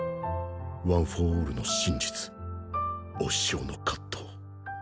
ワン・フォー・オールの真実お師匠の葛藤